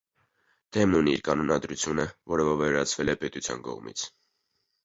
Թեմն ունի իր կանոնադրությունը, որը վավերացվել է պետության կողմից։